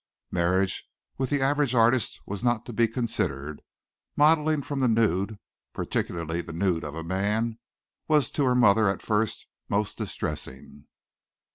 Marriage with the average artist was not to be considered. Modelling from the nude, particularly the nude of a man, was to her mother at first most distressing.